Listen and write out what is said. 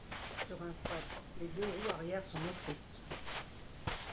Sur un quad les deux roues arrière sont motrices.